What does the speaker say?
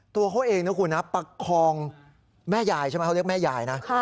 ตัวเขาเองนะคุณนะประคองแม่ยายใช่ไหมเขาเรียกแม่ยายนะ